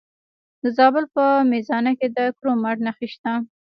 د زابل په میزانه کې د کرومایټ نښې شته.